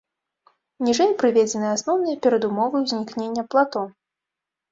Ніжэй прыведзены асноўныя перадумовы ўзнікнення плато.